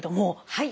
はい。